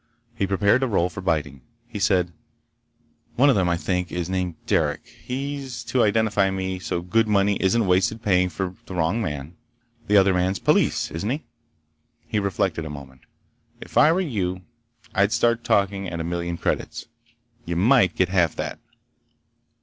He prepared a roll for biting. He said: "One of them, I think, is named Derec. He's to identify me so good money isn't wasted paying for the wrong man. The other man's police, isn't he?" He reflected a moment. "If I were you, I'd start talking at a million credits. You might get half that."